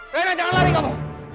reina jangan lari kamu